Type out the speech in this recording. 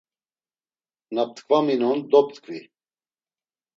Na ptkvaminon doptkvi.